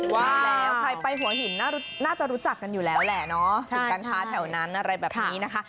ว่าแล้วใครไปหัวหินน่าจะรู้จักกันอยู่แล้วแหละเนาะสินค้าแถวนั้นอะไรแบบนี้นะคะ